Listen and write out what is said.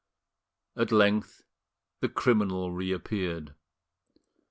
At length the criminal reappeared.